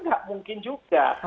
tidak mungkin juga